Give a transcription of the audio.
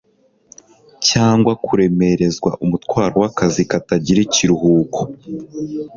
cyangwa kuremerezwa umutwaro wakazi katagira ikiruhuko